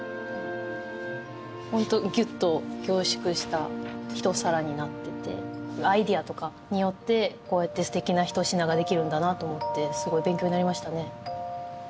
本当ギュッと凝縮したひと皿になっててアイデアとかによってこうやって素敵なひと品ができるんだなと思ってすごい勉強になりましたね。